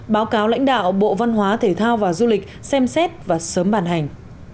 báo cáo lãnh đạo bộ văn hóa thể thao và du lịch xem xét và sớm bàn hành